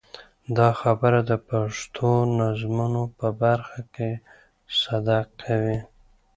دا خبره د پښتو نظمونو په برخه کې صدق کوي.